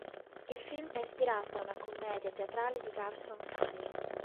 Il film è ispirato a una commedia teatrale di Garson Kanin.